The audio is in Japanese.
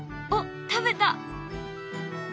おっ食べた。